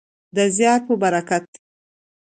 د زیار په برکت.